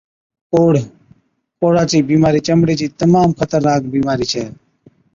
ڪوڙه (Leprosy) ڪوڙها چِي بِيمارِي چمڙي چِي تمام خطرناڪ بِيمارِي ڇَي۔